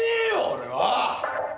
俺は！